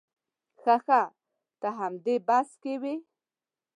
ښه ښه ته همدې بس کې وې.